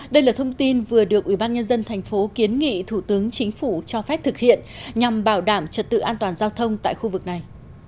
đây là thông tin vừa được ủy ban nhân dân thành phố kiến nghị thủ tướng chính phủ cho phép thực hiện nhằm bảo đảm trật tự an toàn giao thông tại khu vực này